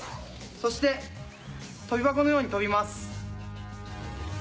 そして跳び箱のように跳びます。